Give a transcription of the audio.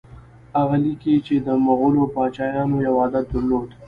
هغه لیکي چې د مغولو پاچایانو یو عادت درلود.